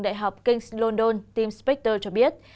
đại học king s london tim spector cho biết